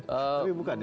tapi bukan ya